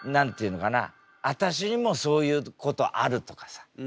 あたしにもそういうことあるとかさ。